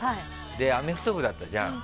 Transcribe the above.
アメフト部だったじゃん。